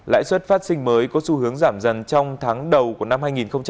lãi suất phát sinh mới có xu hướng giảm dần trong tháng đầu năm hai nghìn hai mươi ba